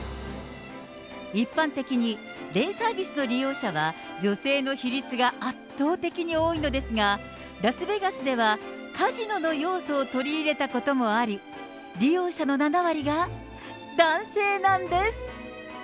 一般的にデイサービスの利用者は、女性の比率が圧倒的に多いのですが、ラスベガスではカジノの要素を取り入れたこともあり、利用者の７割が男性なんです。